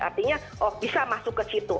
artinya oh bisa masuk ke situ